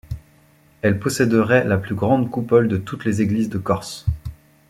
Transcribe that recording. Elle posséderait la plus grande coupole de toutes les églises de Corse.